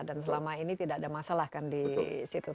dan selama ini tidak ada masalah kan di situ